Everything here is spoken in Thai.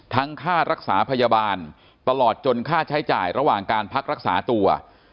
ค่ารักษาพยาบาลตลอดจนค่าใช้จ่ายระหว่างการพักรักษาตัว